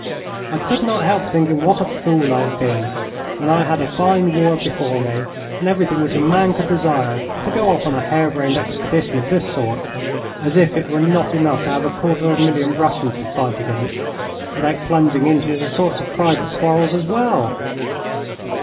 I could not help thinking what a fool I had been, when I had a fine war before me and everything which a man could desire, to go off on a hare brained expedition of this sort, as if it were not enough to have a quarter of a million Russians to fight against, without plunging into all sorts of private quarrels as well.